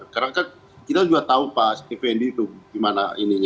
karena kan kita juga tahu pak fnd itu gimana ini